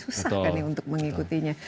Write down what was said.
susah kan untuk mengikutinya